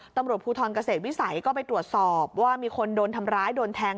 ตำรวจภูทรเกษตรวิสัยก็ไปตรวจสอบว่ามีคนโดนทำร้ายโดนแทง